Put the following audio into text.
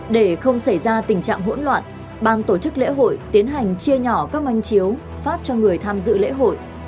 để không xảy ra tình trạng hỗn loạn bang tổ chức lễ hội tiến hành chia nhỏ các manh chiếu phát cho người tham dự lễ hội